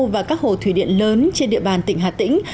và các hồ thủy điện lớn trên địa bàn tỉnh hà tĩnh